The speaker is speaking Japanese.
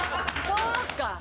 そうか！